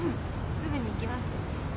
すぐに行きます。